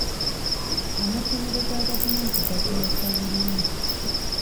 Amasomero ga gavumenti gasomesa bulungi.